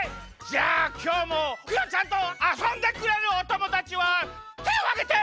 じゃあきょうもクヨちゃんとあそんでくれるおともだちはてをあげて！